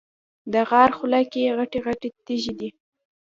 د غار خوله کې غټې غټې تیږې دي.